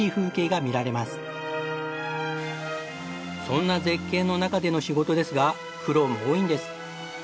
そんな絶景の中での仕事ですが苦労も多いんです。